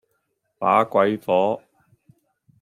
把鬼火